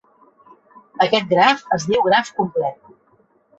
Aquest graf es diu graf complet.